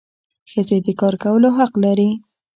ښځي د کار کولو حق لري.